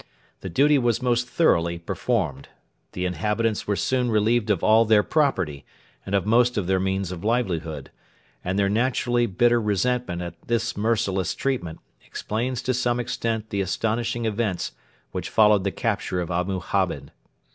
The duty was most thoroughly performed. The inhabitants were soon relieved of all their property and of most of their means of livelihood, and their naturally bitter resentment at this merciless treatment explains to some extent the astonishing events which followed the capture of Abu Hamed.